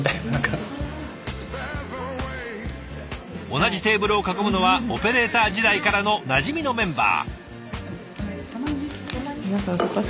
同じテーブルを囲むのはオペレーター時代からのなじみのメンバー。